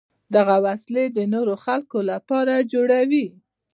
دغه وسلې د نورو خلکو لپاره جوړوي.